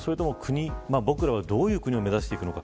僕らはどういう国を目指すのか。